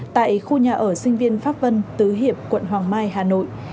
tại khu nhà ở sinh viên pháp vân tứ hiệp quận hoàng mai hà nội